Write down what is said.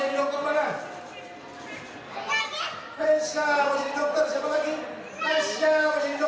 iya ada juga semuanya berali sama onu ya